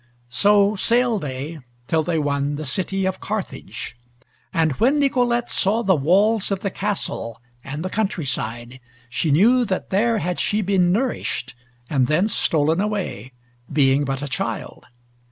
So sailed they till they won the City of Carthage, and when Nicolete saw the walls of the castle, and the country side, she knew that there had she been nourished and thence stolen away, being but a child.